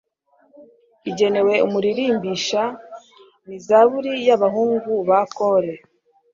igenewe umuririmbisha. ni zaburi y'abahungu ba kore